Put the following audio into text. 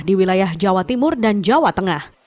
di wilayah jawa timur dan jawa tengah